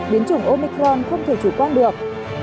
biến chủng omicron không thể chủ quan được